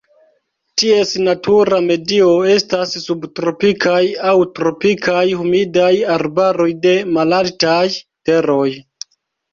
Ties natura medio estas subtropikaj aŭ tropikaj humidaj arbaroj de malaltaj teroj.